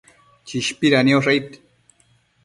Chishpida niosh aid